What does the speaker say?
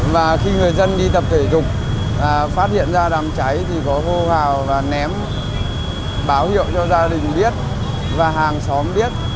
và khi người dân đi tập thể dục phát hiện ra đám cháy thì có hô hào và ném báo hiệu cho gia đình biết và hàng xóm biết